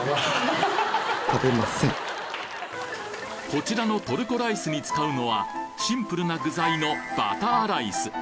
こちらのトルコライスに使うのはシンプルな具材のバターライス